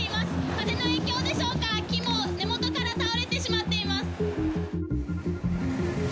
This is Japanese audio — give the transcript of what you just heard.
風の影響でしょうか、木も根元から倒れてしまっています。